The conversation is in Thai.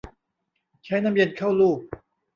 ใช้น้ำเย็นเข้าลูบ